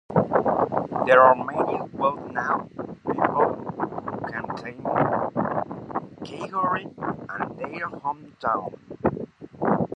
There are many well-known people who can claim Kingaroy as their home town.